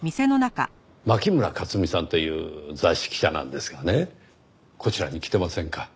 牧村克実さんという雑誌記者なんですがねこちらに来てませんか？